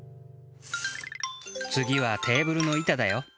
つぎはテーブルの板だよ。